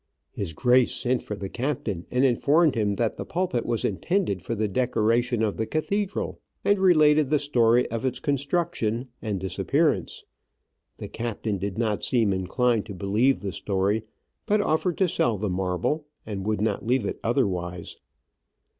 His Grace sent for the captain and informed Digitized by VjOOQIC 2 12 Travels and Adventures him that the pulpit was intended for the decoration of the cathedral, and related the story of its construc tion and disappearance ; the captain did not seem inclined to believe the story, but offered to sell the marble, and would not leave it otherwise.